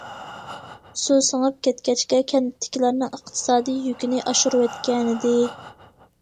سۇ سىڭىپ كەتكەچكە، كەنتتىكىلەرنىڭ ئىقتىسادىي يۈكىنى ئاشۇرۇۋەتكەنىدى.